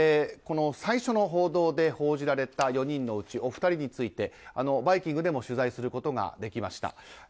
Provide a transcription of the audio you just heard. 最初の報道で報じられた４人のうちお二人について「バイキング」でも取材することができました。